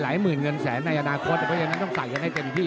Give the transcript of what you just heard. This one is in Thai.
หลายหมื่นเงินแสนในอนาคตแต่ก็ยังต้องใส่กันให้เต็มพี่